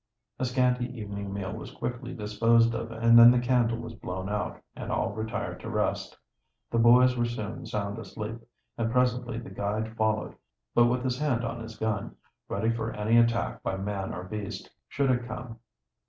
A scanty evening meal was quickly disposed of, and then the candle was blown out, and all retired to rest. The boys were soon sound asleep, and presently the guide followed, but with his hand on his gun, ready for any attack by man or beast, should it come.